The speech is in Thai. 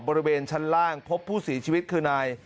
บริเวณชั้นล่างพบผู้เสียชีวิตคือนาย